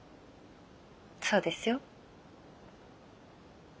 そうですよ。